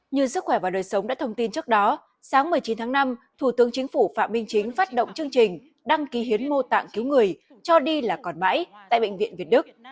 như sức khỏe và đời sống đã thông tin trước đó sáng một mươi chín tháng năm thủ tướng chính phủ phạm minh chính phát động chương trình đăng ký hiến mô tạng cứu người cho đi là còn mãi tại bệnh viện việt đức